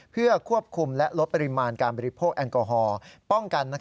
เพื่อควบคุมและลดปริมาณการบริโภคแอลกอฮอล์ป้องกัน